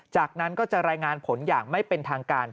จากนั้นก็จะรายงานผลอย่างไม่เป็นทางการ